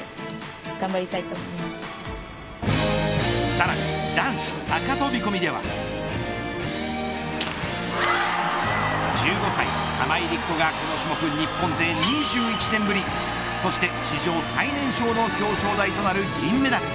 さらに、男子高飛込では１５歳玉井陸斗がこの種目日本勢２１年ぶりそして史上最年少の表彰台となる銀メダル。